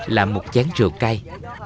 là một chán rượu cay